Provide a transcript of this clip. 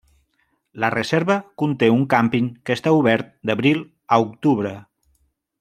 La reserva conté un càmping que està obert d'abril a octubre.